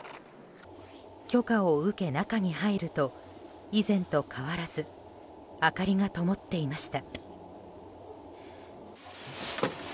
許可を受け中に入ると以前と変わらず明かりがともっていました。